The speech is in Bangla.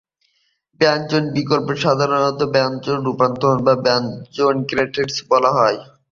ব্যঞ্জনের বিকল্পকে সাধারণত ব্যঞ্জন রূপান্তর বা ব্যঞ্জন গ্রেডেশন বলা হয়।